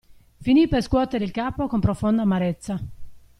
Finì per scuotere il capo con profonda amarezza.